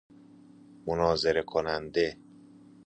مناظره کننده